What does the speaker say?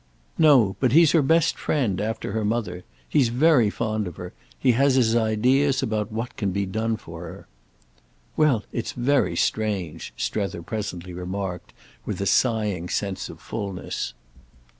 "No—but he's her best friend; after her mother. He's very fond of her. He has his ideas about what can be done for her." "Well, it's very strange!" Strether presently remarked with a sighing sense of fulness.